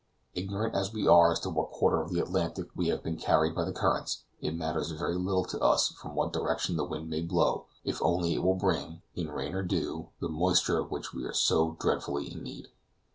Ignorant as we are as to what quarter of the Atlantic we have been carried by the currents, it matters very little to us from what direction the wind may blow if only it would bring, in rain or dew, the moisture of which we are so dreadfully in need.